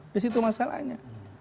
di situ masalahnya